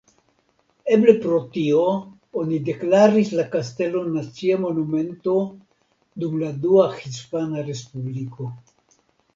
Eble pro tio oni deklaris la kastelon Nacia Monumento dum la Dua Hispana Respubliko.